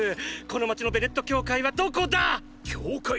この街のベネット教会はどこだ⁉教会？